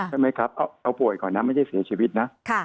ใช่ไหมครับเอาป่วยก่อนนะไม่ใช่เสียชีวิตนะ